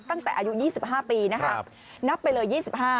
ตั้งแต่อายุ๒๕ปีนับไปเลย๒๕